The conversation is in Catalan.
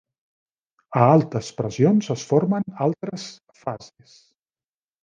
A altes pressions es formen altres fases.